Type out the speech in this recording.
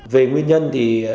về nguyên nhân thì